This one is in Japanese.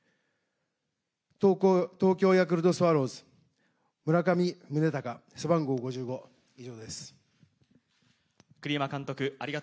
東京ヤクルトスワローズ村上宗隆、背番号５５、以上です。